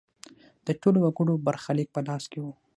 د ټولو وګړو برخلیک په لاس کې و.